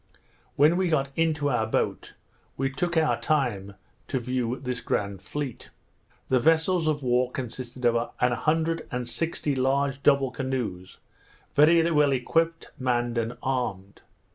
When we got into our boat, we took our time to view this grand fleet. The vessels of war consisted of an hundred and sixty large double canoes, very well equipped, manned, and armed.